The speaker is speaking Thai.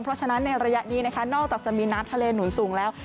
เพราะฉะนั้นในระยะนี้นะคะนอกจากจะมีน้ำทะเลหนุนสูงแล้ว